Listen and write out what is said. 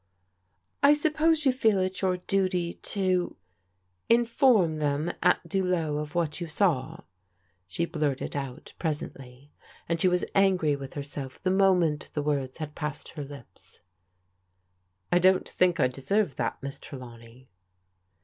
" I suppose you feel it your duty to — inform them at Duloe of what you saw ?" she blurted out presently, and she was angry with herself the moment the words had passed her lips. " I don't think I deserve that, Miss Trelawney."